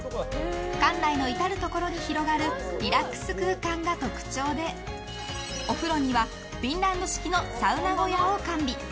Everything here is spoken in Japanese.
館内の至るところに広がるリラックス空間が特徴でお風呂にはフィンランド式のサウナ小屋を完備。